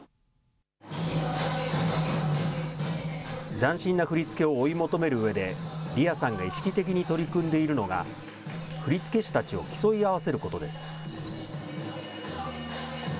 斬新な振り付けを追い求めるうえで、リアさんが意識的に取り組んでいるのが、振り付け師たちを競い合わせることです。